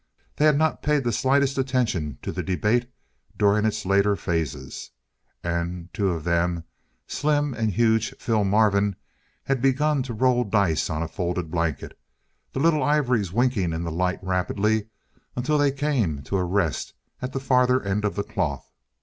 They had not paid the slightest attention to the debate during its later phases. And two of them Slim and huge Phil Marvin had begun to roll dice on a folded blanket, the little ivories winking in the light rapidly until they came to a rest at the farther end of the cloth.